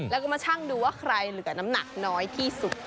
แล้วก็มาช่างดูว่าใครเหลือน้ำหนักน้อยที่สุด